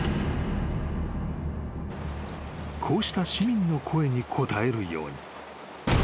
［こうした市民の声に応えるように］